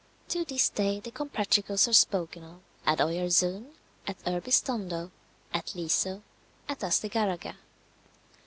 To this day the Comprachicos are spoken of at Oyarzun, at Urbistondo, at Leso, at Astigarraga.